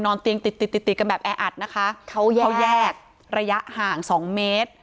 นอนเตียงติดติดติดติดกันแบบแออัดนะคะเขาแยกระยะห่างสองเมตร